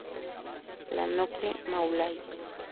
La Nocle-Maulaix